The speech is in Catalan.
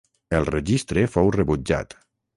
El registre fou rebutjat.